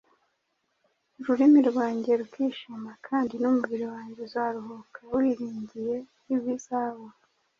ururimi rwanjye rukishima, kandi n’umubiri wanjye uzaruhuka, wiringiye ibizaba’.